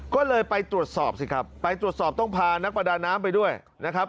ก็เลยไปตรวจสอบสิครับไปตรวจสอบต้องพานักประดาน้ำไปด้วยนะครับ